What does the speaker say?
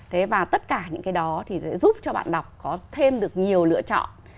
thế và tất cả những cái đó thì sẽ giúp cho bạn đọc có thêm được nhiều lựa chọn